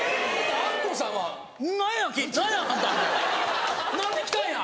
アッコさんは「何や⁉何や⁉あんた何で来たんや⁉」。